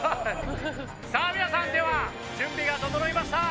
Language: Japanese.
さあ皆さんでは準備が整いました。